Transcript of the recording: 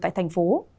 tại thành phố